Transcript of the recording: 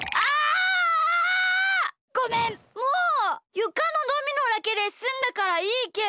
ゆかのドミノだけですんだからいいけど。